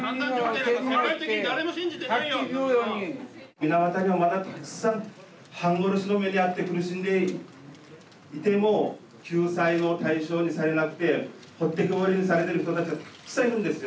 水俣病はまだたくさん半殺しの目に遭って苦しんでいても救済の対象にされなくて置いてけぼりにされてる人たちがたくさんいるんですよ。